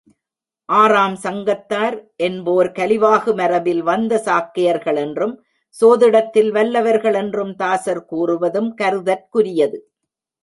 ஆறாம் சங்கத்தார் என்போர் கலிவாகு மரபில் வந்த சாக்கையர்கள் என்றும் சோதிடத்தில் வல்லவர்கள் என்றும் தாசர் கூறுவதும் கருதற்குரியது.